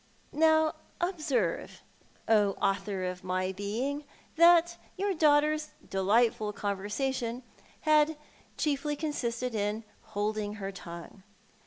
Now observe, author of my being, that your daughter's delightful conversation had chiefly consisted in holding her tongue.